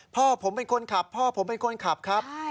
พ่อผมเป็นคนขับพ่อผมเป็นคนขับครับ